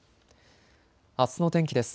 あすの天気です。